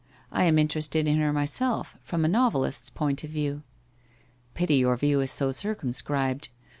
I am interested in her myself — from a noveli t's point of view.' ' Pity your view is so circumscribed.